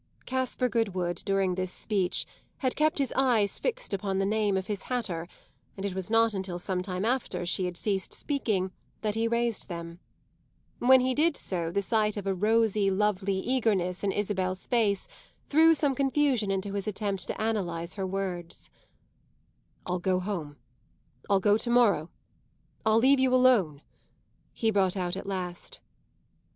Caspar Goodwood, during this speech, had kept his eyes fixed upon the name of his hatter, and it was not until some time after she had ceased speaking that he raised them. When he did so the sight of a rosy, lovely eagerness in Isabel's face threw some confusion into his attempt to analyse her words. "I'll go home I'll go to morrow I'll leave you alone," he brought out at last.